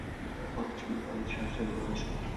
আমি পদচিহ্ন পেয়েছি, আর সেগুলো বিশাল।